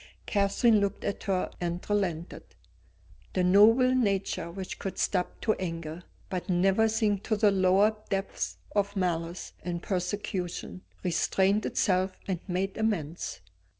Catherine looked at her and relented. The noble nature which could stoop to anger, but never sink to the lower depths of malice and persecution, restrained itself and made amends.